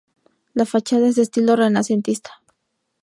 La fachada es de estilo renacentista.